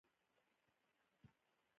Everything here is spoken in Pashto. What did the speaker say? ازادي راډیو د کلتور کیسې وړاندې کړي.